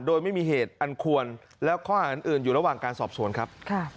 โดยไม่มีเหตุอันควรแล้วข้อหาอื่นอยู่ระหว่างการสอบสวนครับ